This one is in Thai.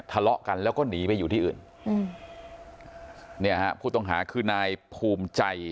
ทะเลาะกันแล้วก็หนีไปอยู่ที่อื่นอืมเนี่ยฮะผู้ต้องหาคือนายภูมิใจ